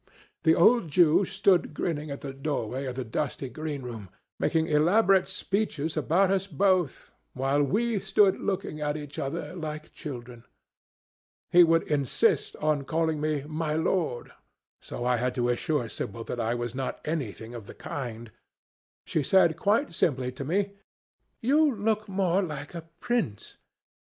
The old Jew stood grinning at the doorway of the dusty greenroom, making elaborate speeches about us both, while we stood looking at each other like children. He would insist on calling me 'My Lord,' so I had to assure Sibyl that I was not anything of the kind. She said quite simply to me, 'You look more like a prince.